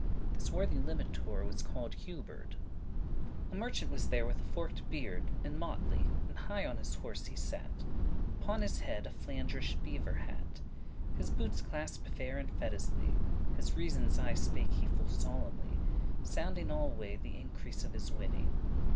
This worthy limitour <18> was call'd Huberd. A MERCHANT was there with a forked beard, In motley, and high on his horse he sat, Upon his head a Flandrish beaver hat. His bootes clasped fair and fetisly*. *neatly His reasons aye spake he full solemnly, Sounding alway th' increase of his winning.